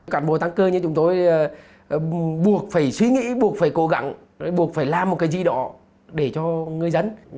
cản bộ tăng cơ như chúng tôi buộc phải suy nghĩ buộc phải cố gắng buộc phải làm một cái gì đó để cho người dân